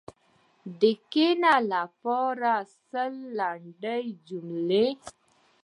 د “کښېنه” لپاره سل لنډې جملې: